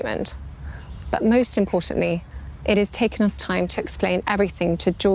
dan untuk memastikan mereka bahwa saya akan baik baik saja